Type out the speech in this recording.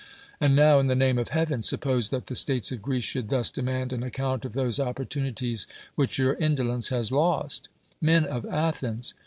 And now, in the name of Heaven ! suppose that the states of Greece should thus demand an account of those opportunities which your in dolence has lost: "Men of Athens!